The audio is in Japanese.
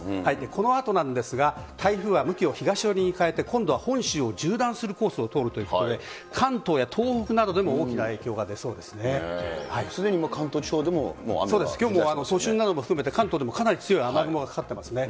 このあとなんですが、台風は向きを東寄りに変えて、今度は本州を縦断するコースを通るということで、関東や東北などすでに関東地方でも、きょうもを含めて関東でもかなり強い雨雲がかかってますね。